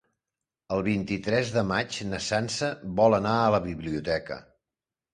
El vint-i-tres de maig na Sança vol anar a la biblioteca.